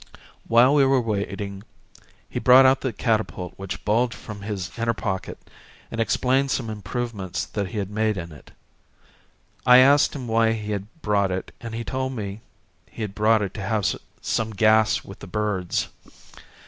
While we were waiting he brought out the catapult which bulged from his inner pocket and explained some improvements which he had made in it. I asked him why he had brought it and he told me he had brought it to have some gas with the birds.